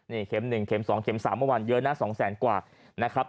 นี่เข็ม๑เม็ม๒เม็ม๓เมื่อวานเยอะนะ๒แสนกว่านะครับ